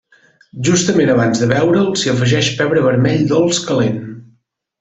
Justament abans de beure'l s'hi afegeix pebre vermell dolç calent.